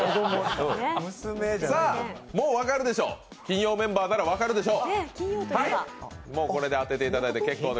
もう分かるでしょう、金曜メンバーなら分かるでしょう。